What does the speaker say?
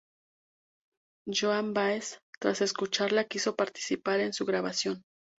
Joan Baez tras escucharla, quiso participar en su grabación.